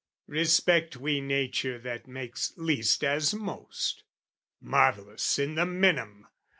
Respect we Nature that makes least as most, Marvellous in the minim!